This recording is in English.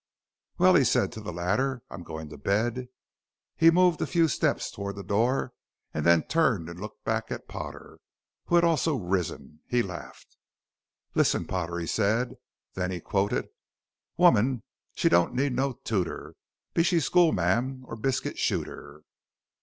"Well," he said to the latter, "I'm goin' to bed." He moved a few steps toward the door and then turned and looked back at Potter, who had also risen. He laughed. "Listen, Potter," he said. Then he quoted: "Woman she don't need no tooter Be she skule ma'am or biscuit shooter."